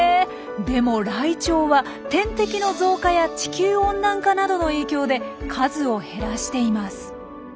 でもライチョウは天敵の増加や地球温暖化などの影響で数を減らしています。